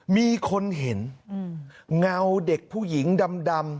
มีคนเห็นเงาเด็กผู้หญิงดำ